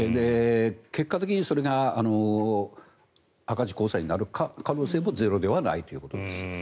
結果的にそれが赤字公債になる可能性もゼロではないということです。